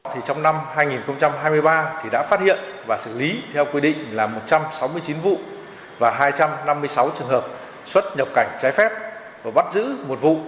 trong năm hai nghìn hai mươi ba đã phát hiện và xử lý theo quy định là một trăm sáu mươi chín vụ và hai trăm năm mươi sáu trường hợp xuất nhập cảnh trái phép và bắt giữ một vụ